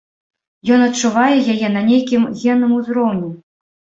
Ён адчувае яе на нейкім генным узроўні.